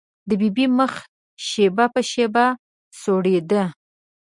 د ببۍ مخ شېبه په شېبه سورېده.